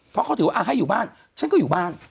เพราะเขาถือว่าให้อยู่บ้านฉันก็อยู่บ้าน